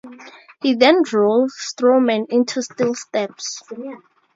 He then drove Strowman into steel steps.